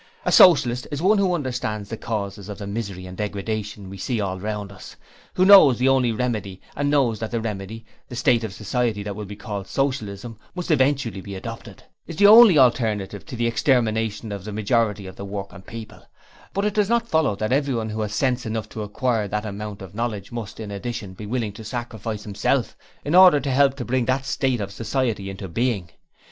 A Socialist is one who understands the causes of the misery and degradation we see all around us; who knows the only remedy, and knows that that remedy the state of society that will be called Socialism must eventually be adopted; is the only alternative to the extermination of the majority of the working people; but it does not follow that everyone who has sense enough to acquire that amount of knowledge, must, in addition, be willing to sacrifice himself in order to help to bring that state of society into being.